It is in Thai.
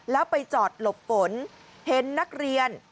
แล้วไปจอดหลบฝนเห็นนักเรียน